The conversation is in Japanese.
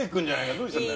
どうしたんだ？